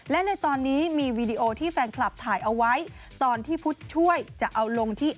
และในตอนนี้มีวีดีโอที่แฟนคลับถ่ายเอาไว้ตอนที่พุทธช่วยจะเอาลงที่